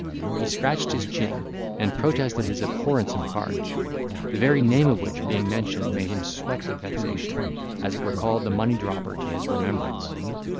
He scratched his chin, and protested his abhorrence of cards, the very name of which being mentioned, made him sweat with vexation, as it recalled the money dropper to his remembrance.